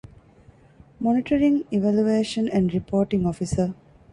މޮނިޓަރިންގ، އިވެލުއޭޝަން އެންޑް ރިޕޯޓިންގ އޮފިސަރ